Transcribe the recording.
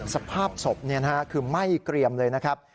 สภาพศพคือไหม้เกรียมเลยนะครับ